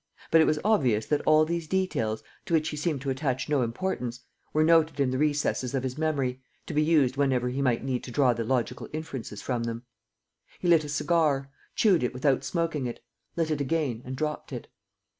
But it was obvious that all these details, to which he seemed to attach no importance, were noted in the recesses of his memory, to be used whenever he might need to draw the logical inferences from them. He lit a cigar, chewed it without smoking it, lit it again and dropped it.